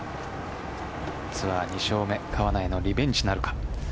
ツアー２勝目川奈へのリベンジなるか。